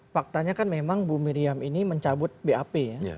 faktanya kan memang bu miriam ini